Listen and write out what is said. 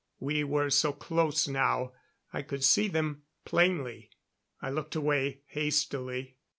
We were so close now I could see them plainly. I looked away hastily.